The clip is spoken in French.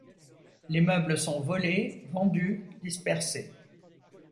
Les meubles sont volés, vendus, dispersés.